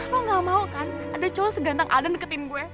lo gak mau kan ada cowok segantang alden deketin gue